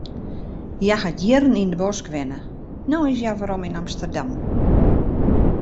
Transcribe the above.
Hja hat jierren yn de bosk wenne, no is hja werom yn Amsterdam.